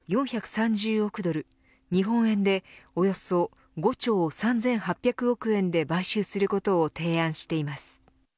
ＣＥＯはツイッター社を４３０億ドル日本円でおよそ５兆３８００億円で買収することを提案しています。